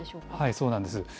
そうなんです。